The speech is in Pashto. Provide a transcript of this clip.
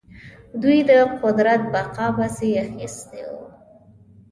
دوی د قدرت بقا پسې اخیستي وو.